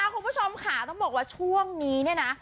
คุณผู้ชมค่ะต้องบอกว่าช่วงนี้เนี่ยนะ